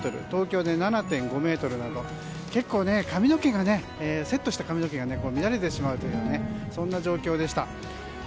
東京で７．５メートルなど結構セットした髪の毛が乱れてしまうというような状況でした。